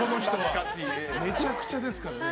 めちゃくちゃですからね。